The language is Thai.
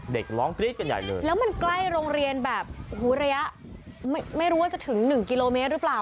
เด็กร้องกรี๊ดกันใหญ่เลยแล้วมันใกล้โรงเรียนแบบโอ้โหระยะไม่รู้ว่าจะถึงหนึ่งกิโลเมตรหรือเปล่า